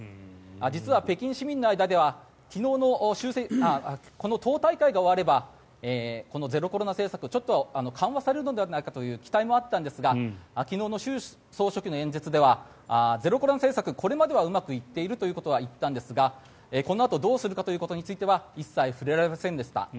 実は北京市民の間ではこの党大会が終わればこのゼロコロナ政策、ちょっと緩和されるんじゃないかという期待もあったんですが昨日の習総書記の演説ではゼロコロナ政策、これまではうまくいっているということは言ったんですがこのあとどうするかということについては一切触れられませんでした。